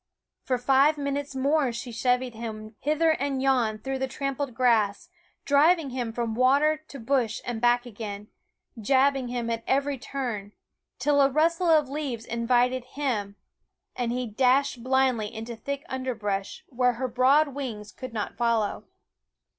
For five minutes more SCHOOL OF 208 Quoskh Keen Eyed she chevied him hither and yon through the trampled grass, driving him from water to bush and back again, jabbing him at every turn; till a rustle of leaves invited him, and he dashed blindly into thick underbrush, where her broad wings could not follow.